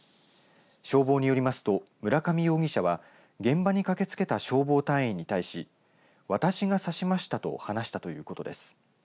消防によりますと村上容疑者は現場に駆けつけた消防隊員に対し私が刺しましたと話したということです。